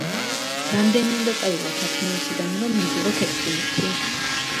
რამდენი უნდა წავიღოთ ათი ნივთიდან, რომ მივიღოთ ექვსი ნივთი?